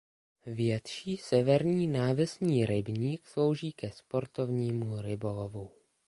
Větší severní Návesní rybník slouží ke sportovnímu rybolovu.